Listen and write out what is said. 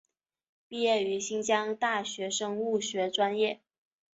毕业于新疆大学生物学专业。